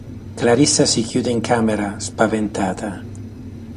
Clarissa si chiude in camera, spaventata.